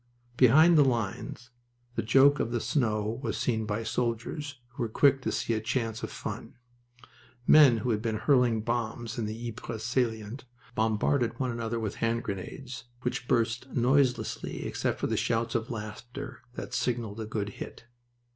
Behind the lines the joke of the snow was seen by soldiers, who were quick to see a chance of fun. Men who had been hurling bombs in the Ypres salient bombarded one another with hand grenades, which burst noiselessly except for the shouts of laughter that signaled a good hit.